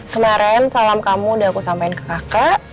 kemarin salam kamu udah aku sampein ke kakak